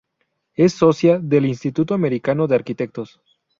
Es Socia del Instituto americano de Arquitectos.